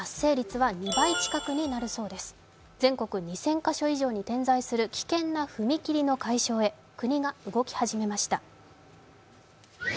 全国２０００カ所以上に点在する危険な踏切の解消へ国が動き始めました。